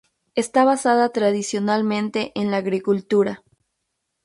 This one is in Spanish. Está basada tradicionalmente en la agricultura.